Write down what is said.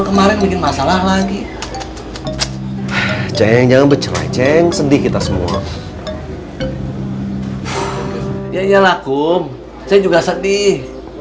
kemarin bikin masalah lagi ceng jangan bercerai ceng sedih kita semua ya ya laku saya juga sedih